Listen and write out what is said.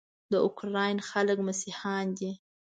د اوکراین خلک مسیحیان دي.